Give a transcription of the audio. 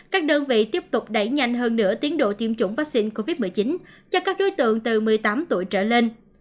các đơn vị tiếp tục đẩy nhanh hơn nữa tiến độ tiêm chủng vaccine covid một mươi chín cho các đối tượng từ một mươi tám tuổi trở lên